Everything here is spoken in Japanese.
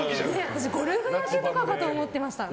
私、ゴルフ焼けとかかと思ってました。